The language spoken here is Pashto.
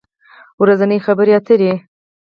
ورځنۍ خبری اتری